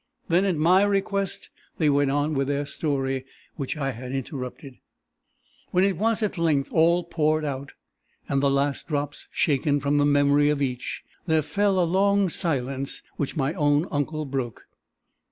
Then, at my request, they went on with their story, which I had interrupted. When it was at length all poured out, and the last drops shaken from the memory of each, there fell a long silence, which my own uncle broke.